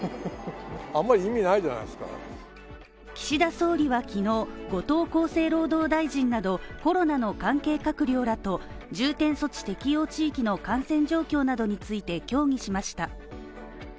岸田総理は昨日、後藤厚労大臣などコロナの関係閣僚らと重点措置適用地域の感染状況などについて、協議しました。